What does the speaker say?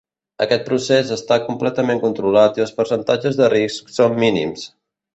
Aquest procés està completament controlat i els percentatges de risc són mínims.